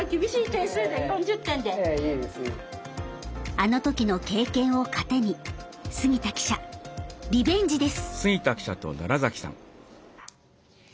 あの時の経験を糧に杉田記者、リベンジです！